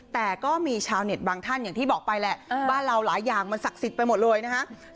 แต่ก็มีชาวเน็ตบางท่านอย่างที่บอกไปแหละบ้านเราหลายอย่างมันศักดิ์สิทธิ์ไปหมดเลยนะฮะ